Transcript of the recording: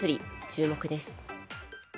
注目です。